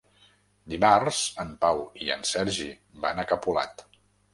Dimarts en Pau i en Sergi van a Capolat.